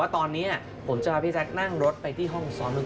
ตอนนี้ผมจะพาพี่แจ๊คนั่งรถไปที่ห้องซ้อมก่อน